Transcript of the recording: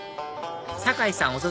酒井さん